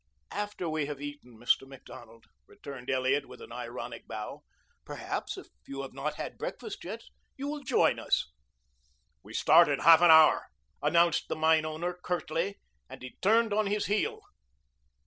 "After we have eaten, Mr. Macdonald," returned Elliot with an ironic bow. "Perhaps, if you have not had breakfast yet, you will join us." "We start in half an hour," announced the mine owner curtly, and he turned on his heel.